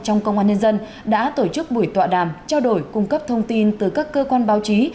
trong công an nhân dân đã tổ chức buổi tọa đàm trao đổi cung cấp thông tin từ các cơ quan báo chí